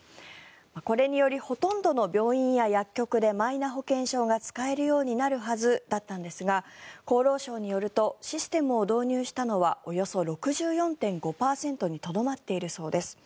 これによりほとんどの病院や薬局でマイナ保険証が使えるようになるはずだったんですが厚労省によるとシステムを導入したのはおよそ６４．５％にとどまっているそうです。